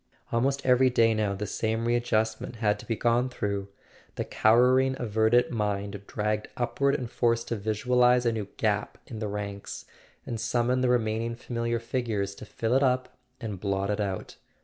Almost every day now the same re¬ adjustment had to be gone through: the cowering averted mind dragged upward and forced to visualize a new gap in the ranks, and summon the remaining familiar figures to fill it up and blot it out.